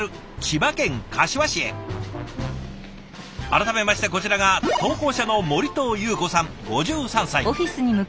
改めましてこちらが投稿者の森藤有子さん５３歳。